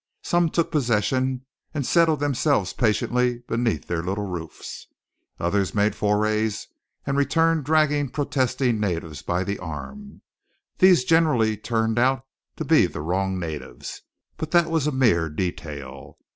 Some took possession, and settled themselves patiently beneath their little roofs. Others made forays and returned dragging protesting natives by the arm. These generally turned out to be the wrong natives; but that was a mere detail.